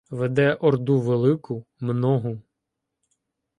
Веде орду велику, многу